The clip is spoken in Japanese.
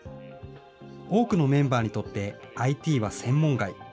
多くのメンバーにとって、ＩＴは専門外。